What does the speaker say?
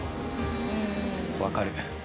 分かる。